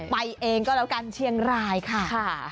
ไปเองก็แล้วกันเชียงรายค่ะ